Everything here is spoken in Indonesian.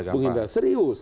bung indah serius